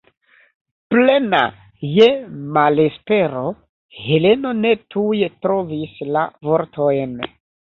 Plena je malespero, Heleno ne tuj trovis la vortojn.